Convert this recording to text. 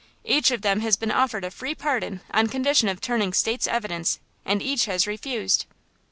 Each of them has been offered a free pardon on condition of turning State's evidence and each has refused."